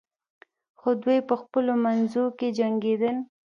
خو دوی په خپلو منځو کې جنګیدل.